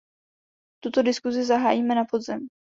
Tuto diskusi zahájíme na podzim.